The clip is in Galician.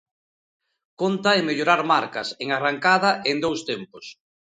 Conta en mellorar marcas, en arrancada e en dous tempos.